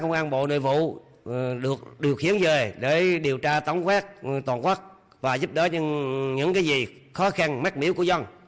công an bộ nội vụ được điều khiển về để điều tra tổng quét toàn quốc và giúp đỡ những cái gì khó khăn mắt miếu của dân